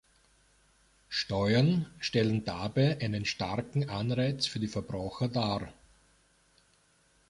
Steuern stellen dabei einen starken Anreiz für die Verbraucher dar.